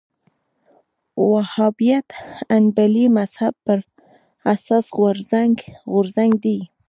وهابیت حنبلي مذهب پر اساس غورځنګ دی